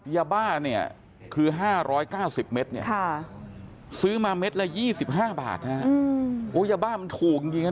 ยาบ้าเนี่ยคือ๕๙๐เมตรเนี่ยซื้อมาเม็ดละ๒๕บาทนะฮะโอ้ยาบ้ามันถูกจริงนะ